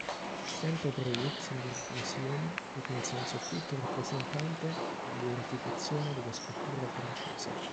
Sempre per il Luxembourg Museum dipinse un soffitto rappresentante "La glorificazione della scultura francese".